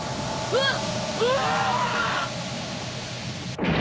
うわっ！